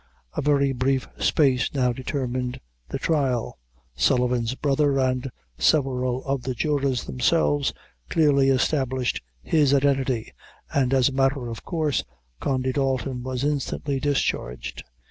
A very brief space now determined the trial. Sullivan's brother and several of the jurors themselves clearly established his identity, and as a matter of course, Condy Dalton was instantly discharged.